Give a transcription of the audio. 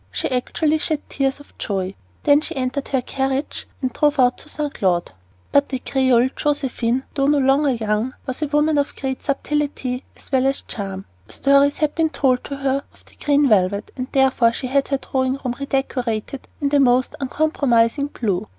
She actually shed tears for joy. Then she entered her carriage and drove out to Saint Cloud. But the Creole Josephine, though no longer young, was a woman of great subtlety as well as charm. Stories had been told to her of the green velvet, and therefore she had her drawing room redecorated in the most uncompromising blue.